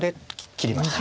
切りました。